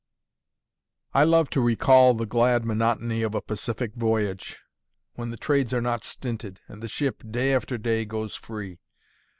I love to recall the glad monotony of a Pacific voyage, when the trades are not stinted, and the ship, day after day, goes free.